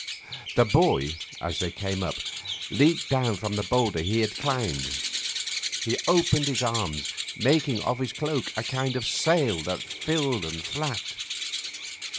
The boy, as they came up, leaped down from a boulder he had climbed. He opened his arms, making of his cloak a kind of sail that filled and flapped.